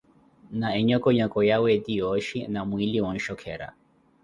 na enhokonhoko yawe eti yooshi na mwiili onshokhera.